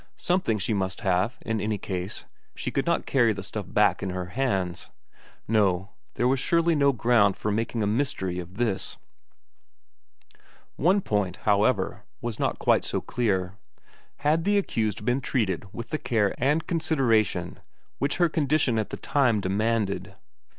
Something she must have, in any case; she could not carry the stuff back in her hands. No, there was surely no ground for making a mystery of this. One point, however, was not quite so clear: had the accused been treated with the care and consideration which her condition at the time demanded?